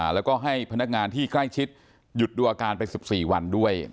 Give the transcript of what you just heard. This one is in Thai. แล้วก็ให้พนักงานที่ใกล้ชิดหยุดดูอาการไป๑๔วันด้วย